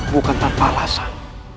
bukan tanpa alasan